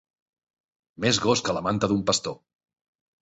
Més gos que la manta d'un pastor.